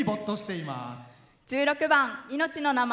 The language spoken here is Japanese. １６番「いのちの名前」。